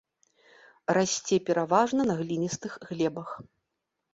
Расце пераважна на гліністых глебах.